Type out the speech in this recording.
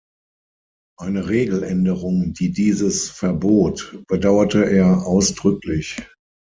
Eine Regeländerung, die dieses verbot, bedauerte er ausdrücklich.